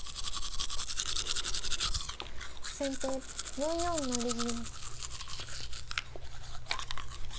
先手４四成銀。